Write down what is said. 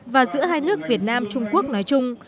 và giữa hai nước việt nam trung quốc nói chung